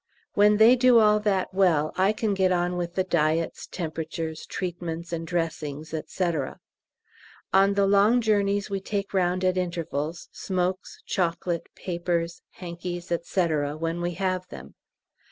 When they do all that well I can get on with the diets, temperatures, treatments, and dressings, &c. On the long journeys we take round at intervals smokes, chocolate, papers, hankies, &c., when we have them.